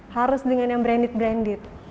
harus dengan yang branded branded